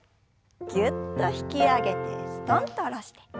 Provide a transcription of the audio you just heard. ぎゅっと引き上げてすとんと下ろして。